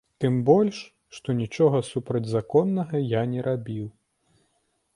Тым больш, што нічога супрацьзаконнага я не рабіў.